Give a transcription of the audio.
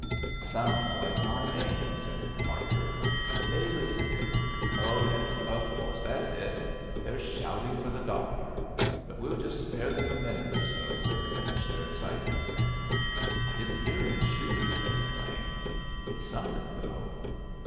"Sounds like my name," said Barker. They listened. "Oh yes. Of course. That's it. They're shouting for the doctor. But we'll just spare them a minute or so to finish their excitement." "I didn't hear any shooting," said McLean. "It's something, though."